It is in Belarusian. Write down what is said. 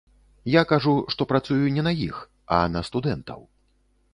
Я кажу, што працую не на іх, а на студэнтаў.